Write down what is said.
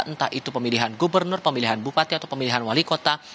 entah itu pemilihan gubernur pemilihan bupati atau pemilihan wali kota